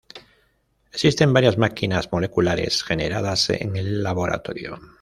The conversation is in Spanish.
Existen varias máquinas moleculares generadas en el laboratorio